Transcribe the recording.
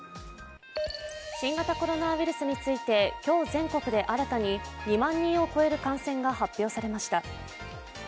新型コロナウイルスについて、今日全国で新たに２万人を超える感染が発表されました。